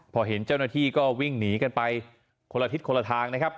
พอเห็นเจ้าหน้าที่ก็วิ่งหนีกันไปคนละทิศคนละทางนะครับ